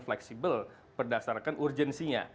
fleksibel berdasarkan urgensinya